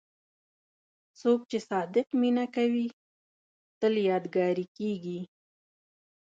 څوک چې صادق مینه کوي، تل یادګاري کېږي.